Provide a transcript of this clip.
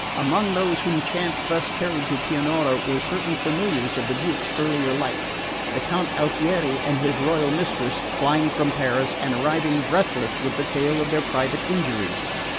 Among those whom chance thus carried to Pianura were certain familiars of the Duke's earlier life the Count Alfieri and his royal mistress, flying from Paris, and arriving breathless with the tale of their private injuries.